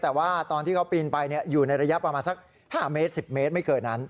แต่ว่าตอนที่เขาปีนไปอยู่ในระยะประมาณสัก๕เมตร๑๐เมตรไม่เกินนั้น